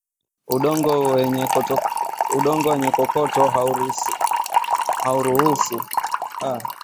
udongo wenye kokoto hauruhusu mizizi ya viazi kupenya na kupanuka ili kupata viazi vikubwa